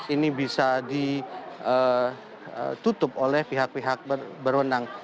ini bisa ditutup oleh pihak pihak berwenang